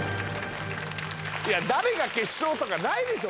いや誰が決勝とかないでしょ